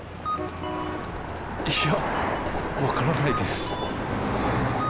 いや分からないです。